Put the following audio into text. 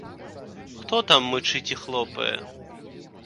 Хто там мычыць і хлопае?